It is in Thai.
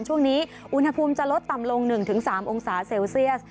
ช่วงนี้อุณหภูมิจะลดต่ำลง๑๓องศาเซลเซียส